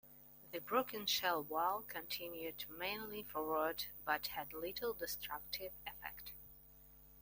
The broken shell wall continued mainly forward but had little destructive effect.